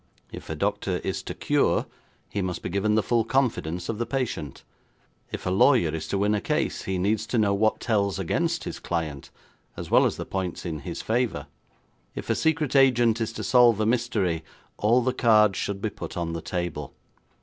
If a doctor is to cure, he must be given the full confidence of the patient; if a lawyer is to win a case he needs to know what tells against his client as well as the points in his favour; if a secret agent is to solve a mystery all the cards should be put on the table.